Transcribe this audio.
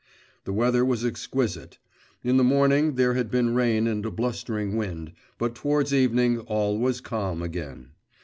The weather was exquisite. In the morning there had been rain and a blustering wind, but towards evening all was calm again.